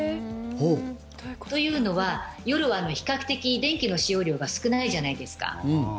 というのは、夜は比較的電気の使用量が少ないじゃないですか。